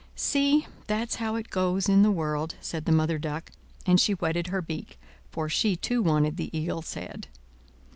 "See, that's how it goes in the world!" said the Mother Duck; and she whetted her beak, for she too wanted the eel's head.